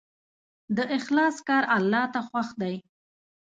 د اخلاص کار الله ته خوښ دی.